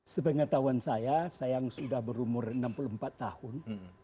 sepengetahuan saya saya yang sudah berumur enam puluh empat tahun